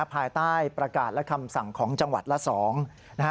ภายใต้ประกาศและคำสั่งของจังหวัดละ๒นะฮะ